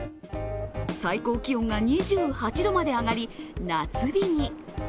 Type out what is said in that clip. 最高気温が２８度まで上がり夏日に。